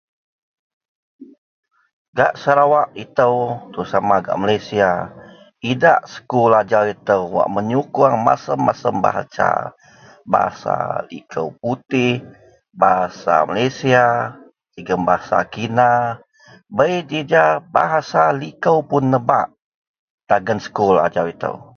Gak Sarawak ito terutama gak Malaysia ito idak sekul ajau ito wak menyukung masem-masem bahasa, bahasa liko Putih, bahasa Malaysia jegem bahasa Cina bei ji ja bahasa liko pun nebak dagen sekul ajau ito.